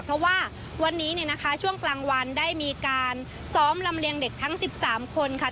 เพราะว่าวันนี้เนี่ยนะคะช่วงกลางวันได้มีการซ้อมลำเลียงเด็กทั้ง๑๓คนค่ะ